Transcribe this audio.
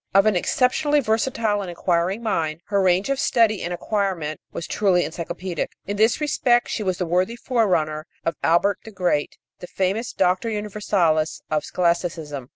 Of an exceptionally versatile and inquiring mind, her range of study and acquirement was truly encyclopædic. In this respect she was the worthy forerunner of Albert the Great, the famous Doctor Universalis of Scholasticism.